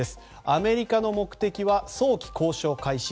アメリカの目的は早期交渉開始。